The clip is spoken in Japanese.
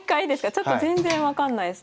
ちょっと全然分かんないです。